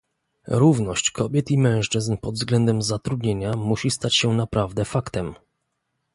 Równość kobiet i mężczyzn pod względem zatrudnienia musi stać się naprawdę faktem